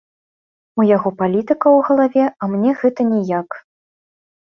У яго палітыка ў галаве, а мне гэта ніяк.